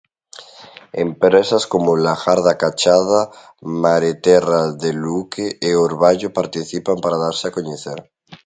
Empresas como Lagar da Cachada, Mareterra Deluque e Orballo participan para darse a coñecer.